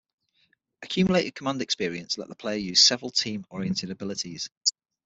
Accumulated Command Experience let the player use several team-oriented abilities.